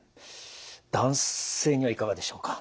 男性にはいかがでしょうか？